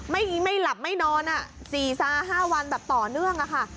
ไม่หลับไม่นอน๔๕วันแบบต่อเนื่องอะค่ะ